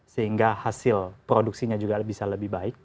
sehingga hasil produksinya juga bisa lebih baik